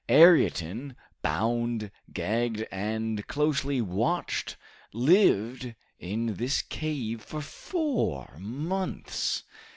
Ayrton bound, gagged, and closely watched lived in this cave for four months.